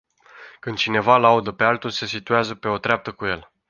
Când cineva laudă pe altul, se situează pe o treaptă cu el.